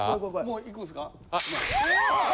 もういくんすか？